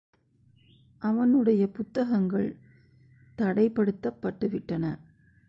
அவனுடைய புத்தகங்கள் தடைப்படுத்தப்பட்டுவிட்டன.